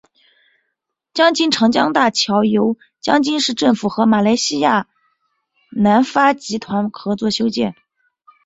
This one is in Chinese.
江津长江大桥由江津市政府和马来西亚南发集团合作修建。